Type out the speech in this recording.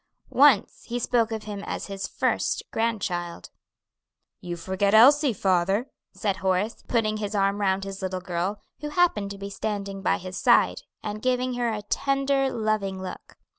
Once he spoke of him as his first grandchild. "You forget Elsie, father," said Horace, putting his arm round his little girl, who happened to be standing by his side, and giving her a tender, loving look.